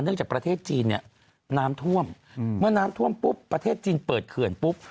จากประเทศจีนเนี่ยน้ำท่วมเมื่อน้ำท่วมปุ๊บประเทศจีนเปิดเขื่อนปุ๊บ